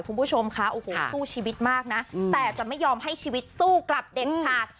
คุณผู้ชมค่ะโอ้โหสู้ชีวิตมากนะแต่จะไม่ยอมให้ชีวิตสู้กลับเด็ดขาด